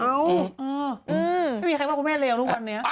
ไม่มีใครบอกว่างูแม่แรวทุกวันเนี่ย